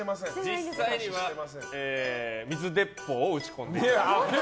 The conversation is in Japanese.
実際には、水鉄砲を打ち込んでました。